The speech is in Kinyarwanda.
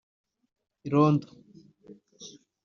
irondo